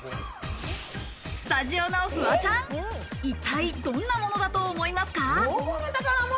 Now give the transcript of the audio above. スタジオのフワちゃん、一体、どんなものだと思いますか？